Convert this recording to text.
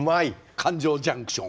感情ジャンクション。